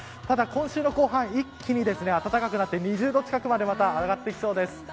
ただ今週後半、一気に暖かくなって２０度近くまでまた上がってきそうです。